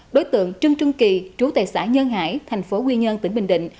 đối tượng trưng trưng kỳ trú tài xã nhân hải thành phố quy nhơn tỉnh bình định